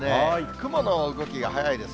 雲の動きが速いです。